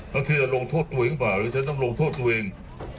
แล้วเธอลงโทษตัวเองหรือเปล่าหรือฉันต้องลงโทษตัวเอง